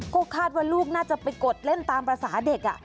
ก็คาดว่าลูกน่าจะไปกดเล่นตามภาษาเด็ก